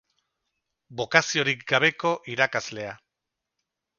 Bokaziorik gabeko irakaslea.